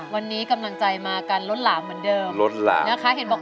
วันนี้กำลังใหจมากันลดหลาบเหมือนเดิม